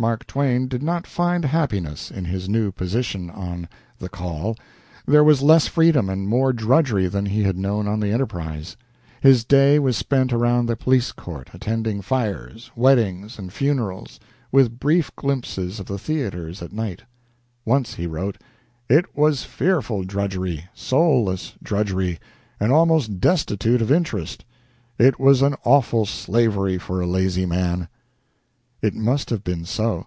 Mark Twain did not find happiness in his new position on the "Call." There was less freedom and more drudgery than he had known on the "Enterprise." His day was spent around the police court, attending fires, weddings, and funerals, with brief glimpses of the theaters at night. Once he wrote: "It was fearful drudgery soulless drudgery and almost destitute of interest. It was an awful slavery for a lazy man." It must have been so.